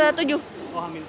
oh hamin tujuh gitu ya